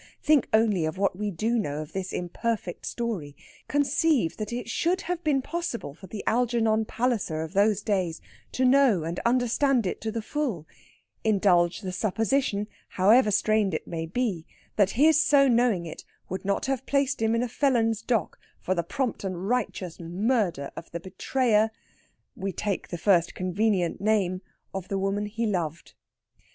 Think only of what we do know of this imperfect story! Conceive that it should have been possible for the Algernon Palliser of those days to know and understand it to the full; indulge the supposition, however strained it may be, that his so knowing it would not have placed him in a felon's dock for the prompt and righteous murder of the betrayer we take the first convenient name of the woman he loved.